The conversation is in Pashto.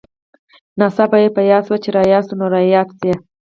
ناڅاپه چې په ياد شې چې راياد شې نو راياد شې.